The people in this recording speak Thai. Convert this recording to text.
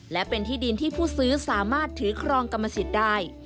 และเป็นที่ดินที่ผู้ซื้อสามารถถือครองกรรมสิทธิ์ได้